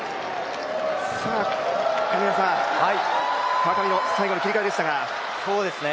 川上の最後の切り替えでしたが。